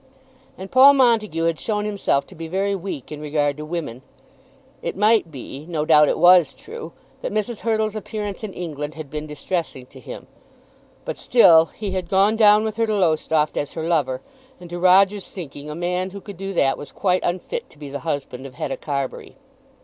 And Paul Montague had shown himself to be very weak in regard to women. It might be, no doubt it was true, that Mrs. Hurtle's appearance in England had been distressing to him. But still he had gone down with her to Lowestoft as her lover, and, to Roger's thinking, a man who could do that was quite unfit to be the husband of Hetta Carbury.